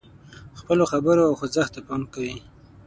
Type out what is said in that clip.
خپلو خبرو او خوځښت ته پام کوي.